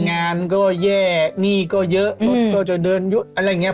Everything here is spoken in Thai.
งานก็แย่หนี้ก็เยอะรถก็จะเดินยุดอะไรอย่างนี้